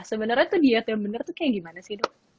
kalau misalnya diet yang bener tuh kayak gimana sih dok